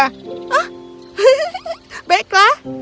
hah hehehe baiklah